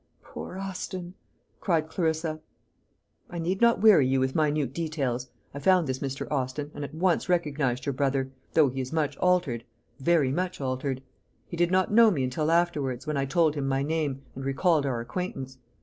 '" "Poor Austin!" sighed Clarissa. "I need not weary you with minute details. I found this Mr. Austin, and at once recognized your brother; though he is much altered very much altered. He did not know me until afterwards, when I told him my name, and recalled our acquaintance.